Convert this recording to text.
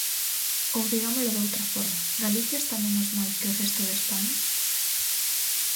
Ou digámolo doutra forma: ¿Galicia está menos mal que o resto de España?